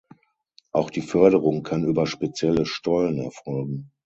Auch die Förderung kann über spezielle Stollen erfolgen.